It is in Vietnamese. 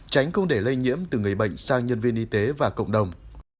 tránh công đề lây nhiễm từ người bệnh sang nhân viên y tế và cộng đồng